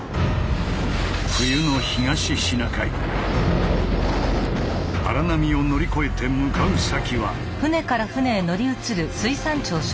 冬の荒波を乗り越えて向かう先は。